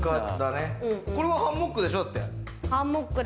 これはハンモックでしょ、だって。